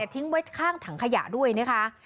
ทิ้งไว้ข้างถังขยะด้วยนะคะ